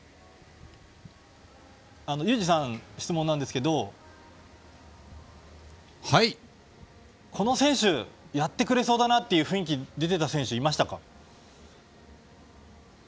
佑二さんに質問ですがこの選手、やってくれそうだなという雰囲気が出ていた選手はいましたか？